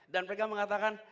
dan mereka mengatakan